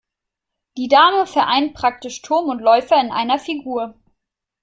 Die Dame vereint praktisch Turm und Läufer in einer Figur.